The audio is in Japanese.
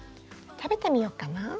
食べてみよっかな。